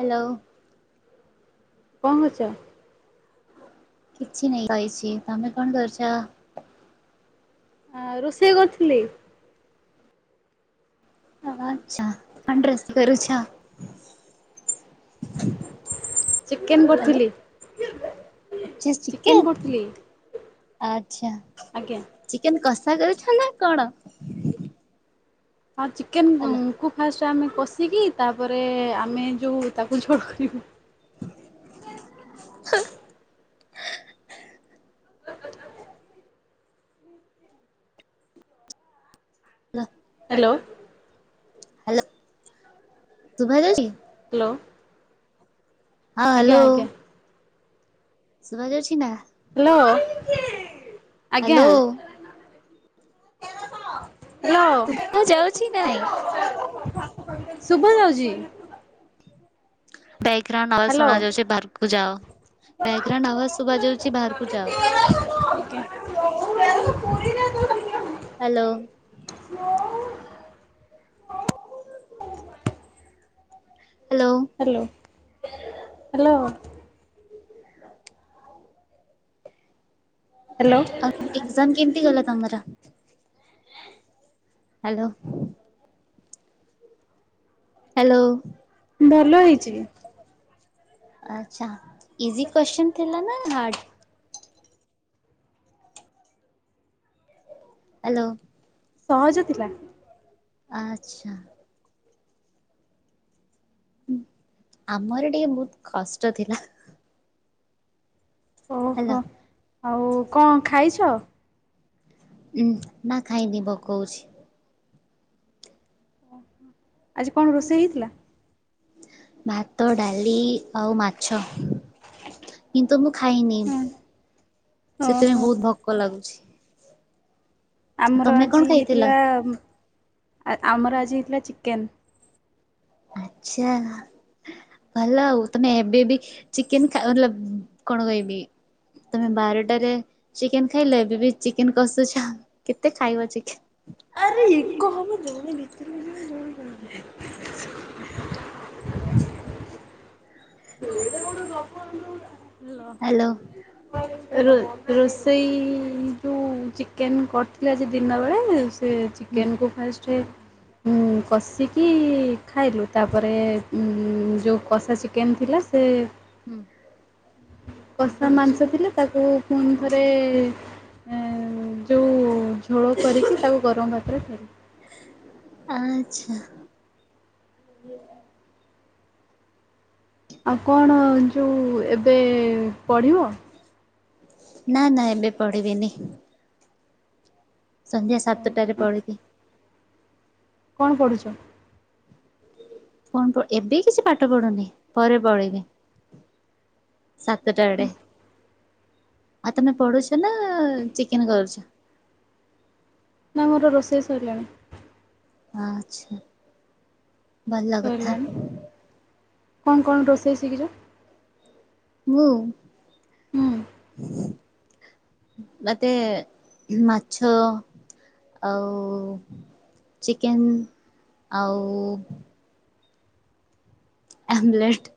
Hello କଣ କରୁଛ? କିଛି ନାଇଁ ବଇଚି [unintelligible] ତମେ କଣ କରୁଚ? ଆ ରୋଷେଇ କରୁଥିଲି। ହ [unintelligible] ଆଚ୍ଛା [unintelligible] ଅଣ୍ଡ୍ରେଷ୍ଟ [inaudible] କରୁଛ? ଚିକେନ୍ କରୁଥିଲି। ଅଛି ଚିକେନ୍ ଆଛା। ଆଜ୍ଞା। ଚିକେନ୍ କଷା କରୁଚ ନା କଣ? ହଁ ଚିକେନ୍ କୁକ୍ ଫାଷ୍ଟ ଆମେ କଷିକି ତାପରେ ଆମେ ଯୋଉ ତାକୁ ଝୋଳ କରିବୁ। [inaudible] [inaudible] ହାଲୋ ଶୁଭା ଯାଉଛି। ହାଲୋ ହଁ ହାଲୋ ଆଜ୍ଞା ଶୁଭା ଯାଉଛି ନା? ହାଲୋ ଆଜ୍ଞା ହ୍ୟାଲୋ [unintelligible] ହାଲୋ ଶୁଭା ଯାଉଛି ନା ନାଇଁ ଶୁଭା ଯାଉଛି। ବ୍ୟାକ୍ଗ୍ରାଉଣ୍ଡ ଆବାଜ ହ୍ୟାଲୋ। ହ୍ୟାଲୋ ଶୁଭା ଯାଉଛି ବାହାରକୁ ଯାଅ, ବ୍ୟାକ୍ ଗ୍ରାଉଣ୍ଡ ଆବାଜ ଶୁଭା ଯାଉଛି ବାହାରକୁ ଯାଅ? [unintelligible] Hello [inaudible] hello [unintelligible] hello. ହ୍ୟାଲୋ ଆଉ ଏଗ୍ଜାମ୍ କେମିତି ଗଲା ତମର ହାଲୋ? ହାଲୋ। ଭଲ ହେଇଚି। ଆଛା ଇଜି କୋଶ୍ଚିନ୍ ଥିଲା ନା ହାର୍ଡ। ହାଲୋ। ସହଜ ଥିଲା। ଆଚ୍ଛା। ହୁଁ ଆମର ଟିକେ ବହୁତ କଷ୍ଟ ଥିଲା। ହେଲା ଓହୋ ଆଉ କଣ ଖାଇଚ? ଉଁ ନା ଖାଇନି ଭୋକ ହଉଚି। ଆଜି କଣ ରୋଷେଇ ହେଇଥିଲା? ଭାତ ଡାଲି ଆଉ ମା ଛ କିନ୍ତୁ ମୁଁ ଖାଇନି ହୁଁ ସେଥିପାଇଁ ଓହୋ। ବହୁତ ଭ ଭୋକ ଲାଗୁଛି। ଆମର ତମେ କଣ ଆଜି ଖାଇଥିଲ? ହେଇଥିଲା ଆମର ଆଜି ହେଇଥିଲା ଚିକେନ। ଆଛା। ଭଲ ଆଉ ତମେ ଏବେ ବି ଚିକେନ ଖାଅ ଲ କଣ କହିବି। ତମେ ବାରଟାରେ ଚିକେନ ଖାଇଲେ ଏବେ ବି ଚିକେନ କଷୁଛ କେତେ ଖାଇବ ଚିକେନ। ଆରେ ଏକ ହବ ଦଉନି [unintelligible] ସଉଦା କଣଟେ ଦବ ହ୍ୟାଲୋ। [unintelligible] ରୋ ରୋଷେଇ ଯୁ ହୁଁ ଚିକେନ କରିଥିଲେ ଯେ ଆଜି ଦିନ ବେଳେ ସେ ହୁଁ ଚିକେନକୁ ଫାଷ୍ଟେ। ହୁଁ କଷିକି ଖାଇଲୁ ତାପରେ ଉଁ ଯଉ କଷା ସିକ୍ କେମିନ୍ତି ଥିଲା ସେ ହୁଁ। କଷା ମାଂସ ଥିଲେ ତାକୁ ପୁଣିଥରେ ଯଉ ଝୋଳ କରିକି ତାକୁ ଗରମ ଭାତରେ କରି। ଆଛା। ଆଉ କଣ ଯେଉଁ ଏବେ ପଢ଼ିବ। ନା ନା ଏବେ ପଢିବିନି। ସନ୍ଧ୍ୟା ସାତଟାରେ ଓହୋ ପଳିବି। କଣ ପଢ଼ୁଚ? କଣ ପ ଏବେ କିଛି ପାଠ ପଢୁନି ପରେ ପଳେଇବି। ସାତଟା ଆଡେ ଆ ତମେ ପଢୁଛ ନା ଚିକେନ କରୁଛ। ନାଁ ମୋର ରୋଷେଇ ସରିଲାଣି। ଆଛା ଭଲ କଥା। ସରିଲାଣି। କଣ କଣ ରୋଷେଇ ସିକିଚ? ମୁଁ ହୁଁ ଭାତେ ମାଛ ଆଉ ଚିକେନ୍ ଆଉ ଆ ଲେଟ୍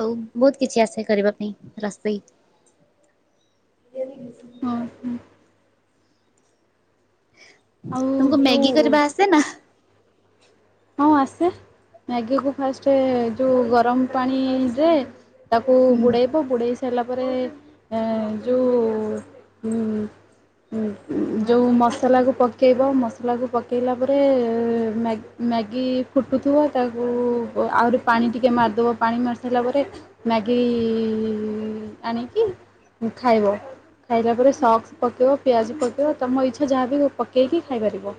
ଆଉ ବହୁତ କିଛି ଆସେ କରିବା ପାଇଁ ରୋଷେଇ। ହଁ ହୁଁ ଆଉ ତମକୁ ମ୍ୟାଗି ଯୋଉ କରିବା ଆସେନା। ହଁ ଆସେ ମ୍ୟାଗିକୁ ଫାଷ୍ଟ ଯୋ ଗରମ ପାଣି ଯେ। ତାକୁ ହୁଁ ବୁଡ଼େଇବୁ ବୁଡ଼େଇ ସାରିଲା ପରେ ଯୋଉ। ହୁଁ ଯୋଉ ମସଲା କୁ ପ ପକେଇବ ମସଲାକୁ ପକାଇଲା ପରେ ମ୍ୟାଗ ମ୍ୟାଗ। କି ଫୁଟୁଥୁବ ତାକୁ ଆହୁରି ପାଣି ଟିକେ ମାରିଦବ ପାଣି ମାରିଦେଲା ପରେ ମ୍ୟାଗି ଆଣିକି ଖାଇବ। ଖାଇଲା ପରେ ସକ୍ସ ପକାଇବ ପିଆଜ ପକେଇକି ତମ ଇଚ୍ଛା ଯାହାବି ପକାଇକି ଖାଇପାରିବ।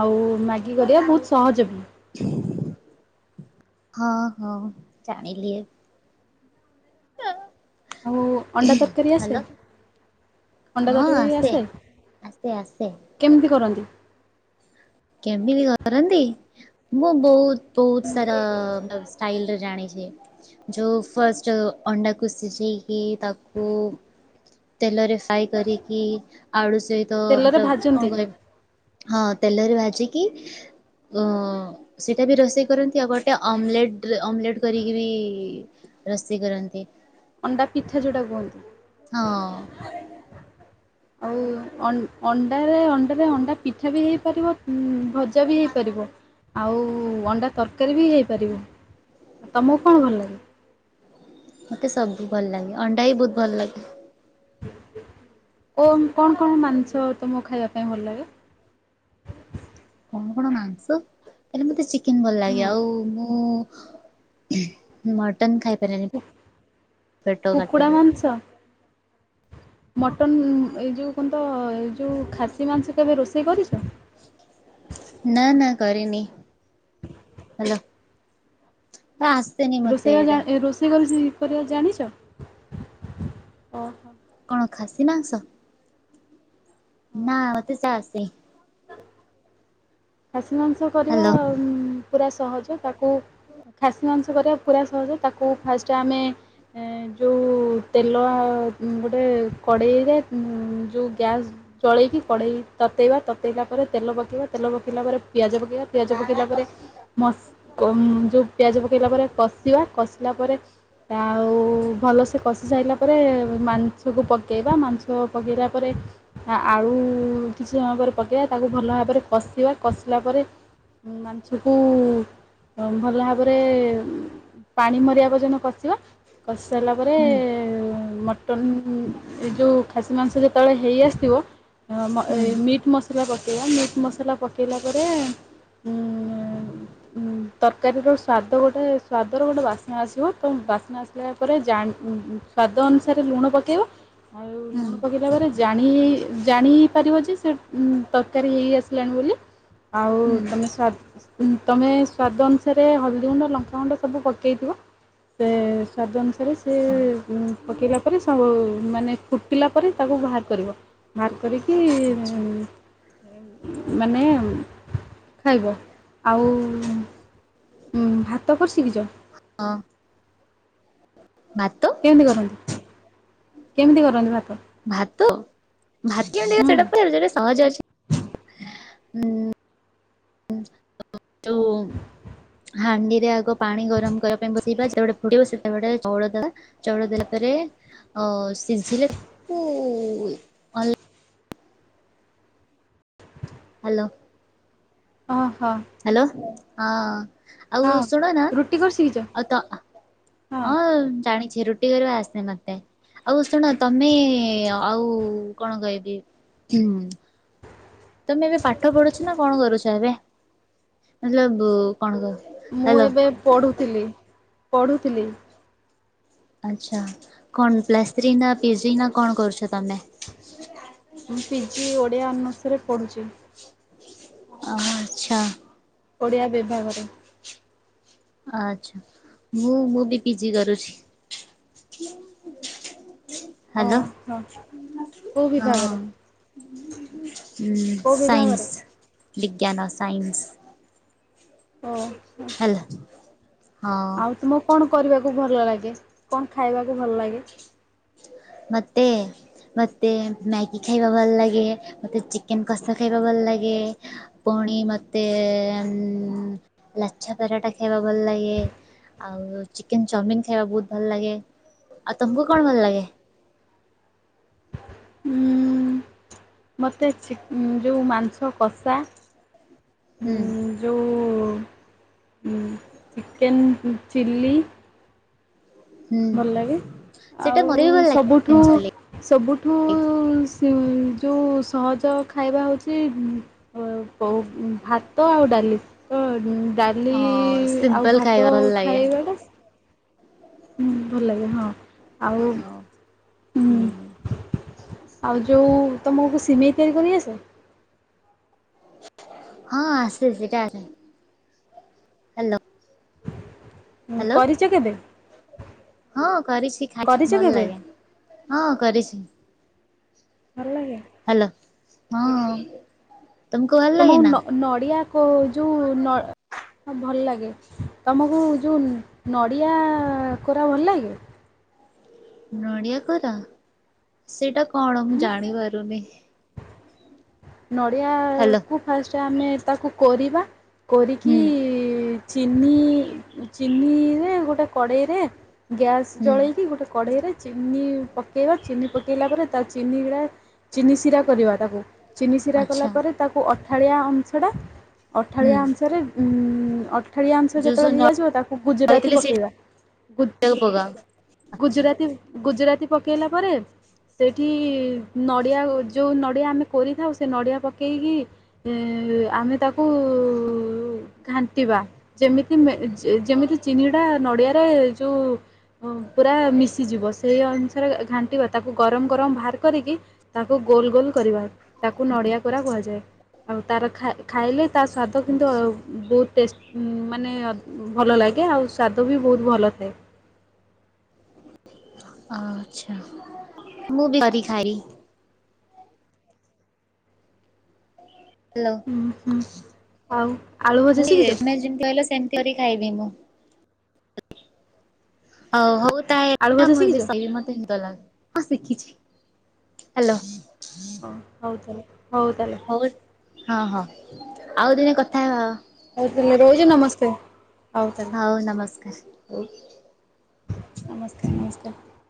ଆଉ ମ୍ୟାଗି କରିବା ବହୁତ ସହଜ ବି। ହଁ ହଁ ଜାଣିିଲିଏ ଆଉ ଅଣ୍ଡା ତରକାରୀ ଆସେ ଭଲ ଅଣ୍ଡା ତରକାରୀ ଆସେ? ଆସେ ଆସେ କେମିତି କରନ୍ତି? କେମିତି କରନ୍ତି ମୁଁ ବହୁ ବହୁତ ସାରା ଷ୍ଟାଇଲରେ ଜାଣିଛି। ଯୋଉ ଫଷ୍ଟ ଅଣ୍ଡାକୁ ସିଝେଇକି ତାକୁ ତେଲରେ ଫ୍ରାଇ କରିକି ଆଳୁ ସହିତ ତେଲରେ [unintelligible] ଭାଜନ୍ତି କଣ କହିବ ହଁ ତେଲରେ ଭାଜି ଜିକି ଉ ସେଇଟା ବି ରୋଷେଇ କରନ୍ତି ଆଉ ଗୋଟେ ଅମଲେଟ ଅମଲେଟ କରିକି ବି ରସେଇ କରନ୍ତି। ଅଣ୍ଡା ପିଠା ଯେଉଁଟା କୁହନ୍ତି। ହଁ। ଆଉ ଅଣ୍ଡାରେ ଅଣ୍ଡାରେ ଅଣ୍ଡା ପିଠା ବି ହେଇପାରିବ ଉଁ ଭ ଭଜା ବି ହେଇପାରିବ ଆଉ ଅଣ୍ଡା ତରକାରୀ ବି ହେଇପାରିବ। ତମକୁ କଣ ଭଲ ଲାଗେ? ମୋତେ ସବୁ ଭଲ ଲାଗେ ଅଣ୍ଡା ବି ବହୁତ ଭଲ ଲାଗେ। ଓଃ କଣ କଣ ମାଂସ ତମକୁ ଖାଇବା ପାଇଁ ଭଲ ଲାଗେ? କଣ କଣ ମାଂସ ହେଲେ ମତେ ଚିକେନ ଭଲ ଲାଗେ ହୁଁ ଆଉ ମୁଁ ମଟନ୍ ଖାଇପ କୁ ପେଟୋ କାଟେ କୁକୁଡ଼ା ମାଂସ ମଟନ୍ ଏ ଯେଉ କୁହନ୍ତ ଏ ଯେଉ ଖାସି ମାଂସ କେବେ ରୋଷେଇ କରିଛ। ନା ନା କରି ନିି ହାଲୋ ହଁ ଆସେନି। ମତେ ରୋଷେଇ ଯା ଏଇଟା ରୋଷେଇ କରି କରିବା ଜାଣିଛ? ଓହୋ କଣ ଖାସି ମାଂସ? ହଁ ନା ମତେ ଚା ଆସେ। ଖାସି ମାଂସ କରିବା ହାଲୋ ପୁରା ସହଜ ତାକୁ ଖାସି ମାଂସ କରିବା ପୁରା ସହଜ ତାକୁ ଫାଷ୍ଟ ଆମେ ଯେଉଁ ତେଲ ଆଉ ଗୋଟେ କଡ଼େଇରେ ଉଁ ଯେଉଁ ଗ୍ୟାସ୍ ଜଳେଇକି କଡ଼େଇ ତତେଇବା। ତତେଇଲା ପରେ ତେଲ ପକେଇବା ତେଲ ପକେଇଲା ପରେ ପିଆଜ ପକେଇବା ପିଆଜ ପକେଇଲା ପରେ ମ ଯେଉଁ ପିଆଜ ପକେଇଲା ପରେ କଷିବା କଷିଲା ପରେ ଆଉ ଭଲସେ କଷି ସାରିଲା ପରେ ମାଂସକୁ ପକେଇବା ମାଂସ ପକେଇଲା ପରେ ଆଳୁ କିଛି ସମୟ ପରେ [unintelligible] ତାକୁ ଭଲ ଭାବରେ କଷିବା କଷିଲା ପରେ ମାଂସକୁ ଭଲ ଭାବରେ ପାଣି ମରିବା ପର୍ଜନ କସିବା। କଷି ସାରିଲା ପରେ ହୁଁ ମ ଏ ଯେଉଁ ଖାସି ମାଂସ ଯେତେବେଳେ ହେଇ ଆସଥିବ ମ ହୁଁ ମିଟ ମ ମସଲା ପକାଇବା ମିଟ୍ ମସଲା ପକାଇଲା ପରେ ଉ ତରକାରୀର ସ୍ୱାଦ ଗୋଟେ ସ୍ୱାଦର ଗୋଟେ ବାସ୍ନା ଆସିବ ତ ବାସ୍ନା ଆସିବ। ତାପରେ ଜା ପଲା ସ୍ୱାଦ ଅନୁସାରେ ଅନୁସାରେ ଲୁଣ ପକାଇବ ଆଉ ହୁଁ ଲୁଣ ପକେଇଲା ପରେ ଜାଣି ଜାଣି ହିଁ ପାରିବ ଯେ ସେ ତରକାରୀ ହେଇ ଆସିଲାଣି ବୋଲି। ହୁଁ ଆଉ ତୁମେ ସ୍ୱାଦ ଉଁ ତମେ ସ୍ଵାଦ ଅନୁସାରେ ହଳଦୀ ଗୁଣ୍ଡ ଲଙ୍କାଗୁଣ୍ଡ ସବୁ ପକେଇଥିବ। ସେ ସ୍ୱାଦ ଅନୁସାରେ ହଁ ସେ ପକାଇଲା ପରେ ସବୁ ମାନେ ଫୁଟିଲା ପରେ ତାକୁ ବାହାର କରିବ। ବାହାର କରିକି ଆଚ୍ଛା ମାନେ ଖାଇବ। ଆଉ ଉଁ ଭାତ କୋଉଠୁ ଶିଖିଛ? [unintelligible] [unintelligible] କେମିତି କରନ୍ତି? କେମିତି କରନ୍ତି ଭାତ? ଭାତ ଭାତ [unintelligible] ଟ ହୁଁ ସେଟାଟ ସହଜ ଅଛି [unintelligible] ହାଣ୍ଡିରେ ଆଗ ପାଣି ଗରମ କରିବା ପାଇଁ ବସେଇବା। ଯେତେବେଳେ ଫୁଟିବ ସେତେବେଳେ ଚାଉଳ ଦବା। ଚାଉଳ ଦେଲା ପରେ ଅ ସିଝିଲେ [unintelligible] ହାଲୋ। ଓହୋ। ହାଲୋ। ହଁ ଆଉ ହଁ ଶୁଣ ନା? ରୁଟି କରି ଶିଖିଛ ଆଉ ତ ହଁ ଜାଣିଛି ରୁଟି କରିବା ଆସେ ମତେ। ଆଉ ଶୁଣ ତମେ ଆଉ କଣ କହିବି ହୁଁ। ତମେ ଏବେ ପାଠ ପଢୁଛ ନା କଣ କରୁଛ ଏବେ। ମତଲବ କଣ କର? ମୁଁ ଏବେ ପଢୁଥିଲି- ପଢୁଥିଲି। ଆଚ୍ଛା। କଣ ପ୍ଲସ୍ ଥ୍ରୀ ନା ପିଜି ନା କଣ କରୁଛ ତୁମେ? ମୁଁ ପିଜି ଓଡ଼ିଆ ୟୁନିଭର୍ସିରିରେ ପଢ଼ୁଛି। ଓ ଆଚ୍ଛା। ଓଡ଼ିଆ ବିଭାଗରେ। ଆଚ୍ଛା। ମୁଁ-ମୁଁ ବି ପିଜି କରୁଛି। [inaudible] [unintelligible] କୋଉ ହଁ, ବିଭାଗରେ ଉଁ, କୋଉ ସାଇନ୍ସ। ବିଭାଗରେ ବିଜ୍ଞାନ-ସାଇନ୍ସ। ହଁ [unintelligible] ହେଲା। ହଁ। ତୁମକୁ କଣ କରିବାକୁ ଭଲ ଲାଗେ, କଣ ଖାଇବାକୁ ଭଲ ଲାଗେ। ମତେ -ମତେ ମ୍ୟାଗି ଖାଇବା ଭଲ ଲାଗେ, ମୋତେ ଚିକେନ କଷା ଖାଇବା ଭଲ ଲାଗେ, ପୁଣି ମତେ ଲାଛା ପରାଟା ଖାଇବା ଭଲ ଲାଗେ। ଆଉ ଚିକେନ ଚାଉମିିନ ଖାଇବା ବହୁତ ଭଲ ଲାଗେ। ଆଉ ତମକୁ କଣ ଭଲ ଲାଗେ? ଉଁ ମୋତେ ଚି ଯୋଉ ମାଂସ କଷା। ହୁଁ ଉଁ ଯୋଉ ଚିକେନ୍ ଚିଲ୍ଲି ହୁଁ ଭଲ ଲାଗେ। ସେଇଟା ଆଉ ମୋର ବି ଭଲ ସବୁଠୁ ଲାଗେ ସବୁଠୁ ଯୋଉଁ ସହଜ ଖାଇବା ହଉଛି ଭାତ ଆଉଡାଲି। ତ ଡାଲି ହଁ ଆଉ ସିମ୍ପଲ ଭାତ ଖାଇବା ଭଲ ଲାଗେ ଖାଇବାଟା ହୁଁ ଭଲ ଲାଗେ ହଁ। ଆଉ ହୁଁ ଆଉ ଯୋଉ ତମକୁ ସିମେଇ ତିଆରି କରି ଆସେ? ହଁ ଆସିଚି କାର ହାଲୋ। ହାଲୋ କରିଛ କେବେ ହଁ କରିଛି କରିଛ ଖାଇଛି ଭଲ କେବେ ଲାଗେ। ହଁ କରିଛି। ଭଲ ଲାଗେ? ହାଲୋ ହଁ। ତମକୁ ଭଲ ତମ ଲାଗେ ମୁଁ ନା? ନଡ଼ିଆ କୋ ଯୋଉ ଭଲ ଲାଗେ। ତମକୁ ଯେଉ ନଡ଼ିଆ କୋରା ଭଲ ଲାଗେ? ନଡ଼ିଆ ଖରା ସେଇଟା କଣ ମୁଁ ଉଁ ଜାଣି ପାରୁନି? ହ୍ୟାଲୋ ନଡ଼ିଆକୁ ଫାଷ୍ଟ ଆମେ ତାକୁ କୋରିବା କୋରୋିକି ହୁଁ ଚିନି ଚିନିରେ ଗୋଟେ କଡ଼େଇରେ ଗ୍ୟାସ୍ ହୁଁ ଜଳେଇକି ଗୋଟେ କଢ଼େଇରେ ଚିନି ପକାଇବା ଚିନି ପକାଇଲା ପରେ ତା ଚିନି ଗୁଡ଼ା ଚିନି ସିରା କରିବା ତାକୁ। ଚିନି ସିରା କଲା ଆଚ୍ଛା ପରେ ତାକୁ ଅଠାଳିଆ ଅଂଶଟା ହୁଁ ଅଠାଳିଆ ଅଂଶରେ ଉଁ ଅ। ଅଠାଳିଆ ଅଂଶ ଯୋଉ ସବୁ ଯେତେବେଳେ ହେଇଆସିବ ତାକୁ ନଡ଼ିଆ ଗୁଜୁରାତି ଥିଲେ ପକେଇବା। ପୁଦ୍ ସେଇଟାକୁ ପକାଅ ଆଚ୍ଛା ଗୁଜୁରାତି ଗୁଜୁରାତି ପକାଇଲା ପରେ ସେଇଠି ନଡ଼ିଆ ଯେଉଁ ନଡ଼ିଆ ଆମେ କରିଥାଉ ସେ ନଡ଼ିଆ ପକାଇକି ଆମେ ତାକୁ [inaudible] ଘାଣ୍ଟିବା ଯେମିତି ଯେମିତି ଚିନି ଟା ନଡିଆରେ ଯୋଉ ପୁରା ମିଶିଯିବ ସେହି ଅନୁସାରେ ଘାଣ୍ଟିବା ତାକୁ ଗରମ ଗରମ ବାହାର କରିକି ତାକୁ ଗୋଲ ଗୋଲ କରିବା ତାକୁ ନଡିଆ କୋରା କୁହାଯାଏ ଆଉ ତାର ଖାଇଲେ ତା ସ୍ଵଦ୍ ତ କିନ୍ତୁ ବହୁତ୍ ଟେଷ୍ଟ ମାନେ ଭଲ ଲାଗେ ଆଉ ସ୍ୱାଦ ବି ବହୁତ୍ ଭଲ ଥାଏ। ଆଛା ମୁଁ ବି କରି ଖାଇବି। ହାଲୋ ହୁଁ ହୁଁ। ଆଉ ଆଳୁ ଭଜା ଶିଖିଛ ଏମେ ଯେମିତି କହିଲ ସେମିତି କରିକି ଖାଇବି ମୁଁ। ହଉ ହଉ ଆଳୁ ତାହେଲେ ଭଜା ମୁଁ ଏବେ ଶିଖିଛ ଶୋଇଲି ମତେ ନିଦ ଲାଗୁଚି ମୁଁ ଶିଖିଛି ହାଲୋ। ହଁ ହଉ ତାଲଲେ ହଉ ତାଲେ। ହଉ ହଁ ହଁ ଆଉ ଦିନେ କଥା ହେବା। ହଉ ତାହେଲେ ରହିଲି ନମସ୍କାର ହଉ ତାହେଲେ। ହଉ ନମସ୍କାର ହୋଉ। ନମସ୍କାର ନମସ୍କାର।